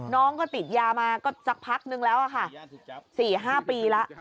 น้องก็ติดยามาก็สักพักนึงแล้วค่ะ๔๕ปีแล้ว